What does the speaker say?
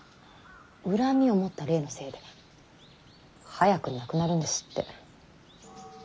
恨みを持った霊のせいで早くに亡くなるんですって。